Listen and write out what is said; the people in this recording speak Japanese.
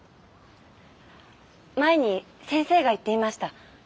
前に先生が言っていました。